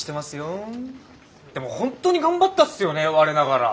でも本当に頑張ったっすよね我ながら。